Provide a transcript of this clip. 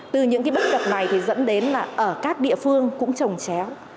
từ những cái bất cập này thì dẫn đến là ở các địa phương cũng trồng chéo